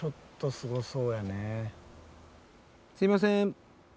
すみません。